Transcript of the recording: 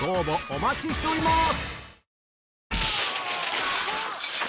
お待ちしております